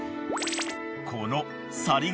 ［この］